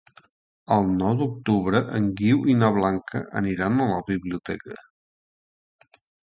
El nou d'octubre en Guiu i na Blanca aniran a la biblioteca.